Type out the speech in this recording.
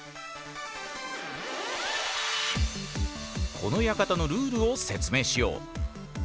この館のルールを説明しよう！